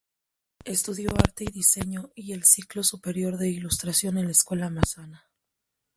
Estudió Arte y Diseño y el Ciclo superior de Ilustración en la Escuela Massana.